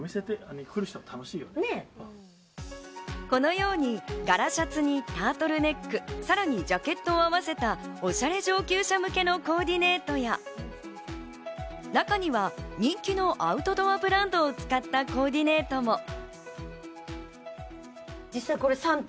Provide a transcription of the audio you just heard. このように柄シャツにタートルネック、さらにジャケットを合わせたおしゃれ上級者向けのコーディネートや中には人気のアウトドアブランドを使ったコーディネートも。